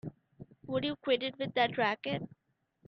Would you quit it with that racket!